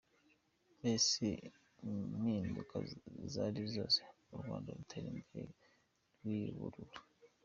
Mbese impinduka zari zose, U rwanda rutera imbere, rwiyuburura.